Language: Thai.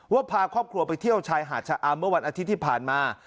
พาครอบครัวไปเที่ยวชายหาดชะอำเมื่อวันอาทิตย์ที่ผ่านมา